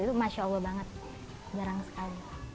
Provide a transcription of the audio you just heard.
itu masya allah banget jarang sekali